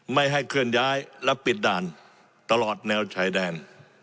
ไม่ให้เคลื่อนย้ายและปิดด่านตลอดแนวชายแดน